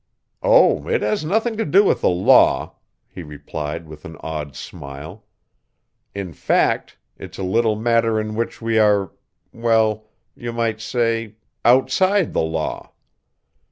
"Oh, it has nothing to do with the law," he replied with an odd smile. "In fact, it's a little matter in which we are well, you might say outside the law."